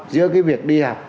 giữa cái việc đi học